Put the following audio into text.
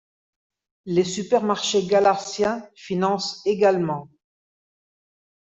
Les supermarchés Galassia financent également.